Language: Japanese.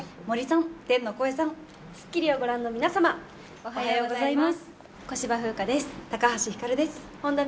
おはようございます！